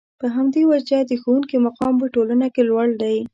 په همدې وجه د ښوونکي مقام په ټولنه کې لوړ دی.